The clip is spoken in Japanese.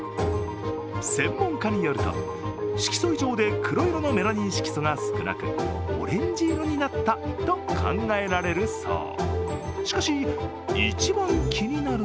専門家によると、色素異常で黒色のメラニン色素が少なく、オレンジ色になったと考えられるそう。